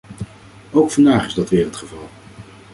Ook vandaag is dat weer het geval.